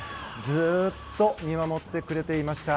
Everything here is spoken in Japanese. ずっと見守ってくれていました。